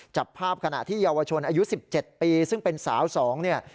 จับภาพขณะที่เยาวชนอายุ๑๗ปีซึ่งเป็นสาว๒เนี่ย